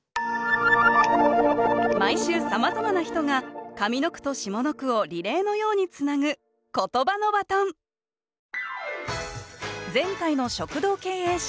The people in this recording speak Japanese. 毎週さまざまな人が上の句と下の句をリレーのようにつなぐ前回の食堂経営者